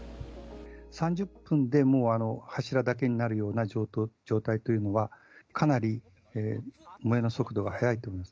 ３０分でもう柱だけになるような状態というのは、かなり燃えの速度が速いと思います。